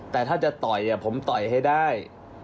แต่ถ้าจะต่อยผมต่อยให้ได้